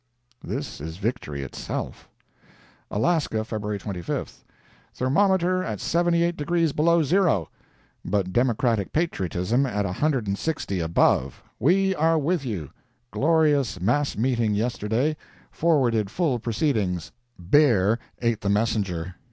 This is victory itself. Alaska, Feb. 25. Thermometer at 78 degrees below zero, but Democratic patriotism at a hundred and sixty above. We are with you! Glorious mass meeting yesterday. Forwarded full proceedings. Bear ate the messenger.